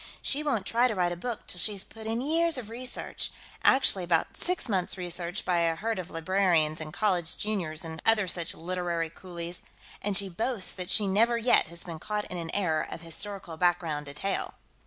She won't try to write a book till she's put in years of research actually, about six months' research by a herd of librarians and college juniors and other such literary coolies and she boasts that she never yet has been caught in an error of historical background detail.